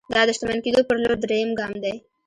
دا د شتمن کېدو پر لور درېيم ګام دی.